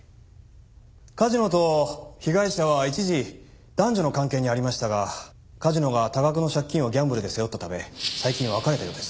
梶野と被害者は一時男女の関係にありましたが梶野が多額の借金をギャンブルで背負ったため最近別れたようです。